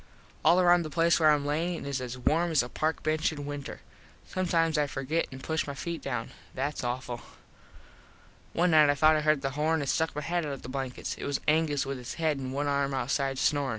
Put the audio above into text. All around the place where Im lyin is as warm as a park bench in winter. Sometimes I forget and push my feet down. That's awful. One night I thought I heard the horn and stuck my head out of the blankets. It was Angus with his head and one arm outside snorin.